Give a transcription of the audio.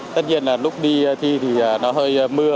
tất nhiên là lúc đi thi thì nó hơi mưa